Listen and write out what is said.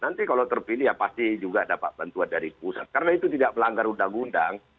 nanti kalau terpilih ya pasti juga dapat bantuan dari pusat karena itu tidak melanggar undang undang